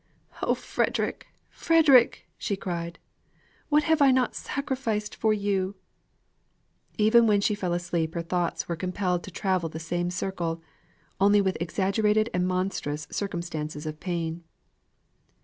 "Oh, Frederick! Frederick!" she cried, "what have I not sacrificed for you!" Even when she fell asleep her thoughts were compelled to travel the same circle, only with exaggerated and monstrous circumstances of pain.